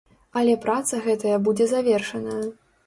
Але праца гэтая будзе завершаная.